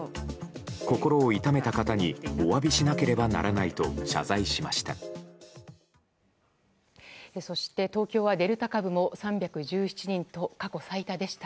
心を痛めた方にお詫びしなければならないと謝罪しました。